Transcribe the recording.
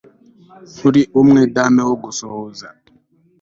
Nturi umwe dame wo gusuhuza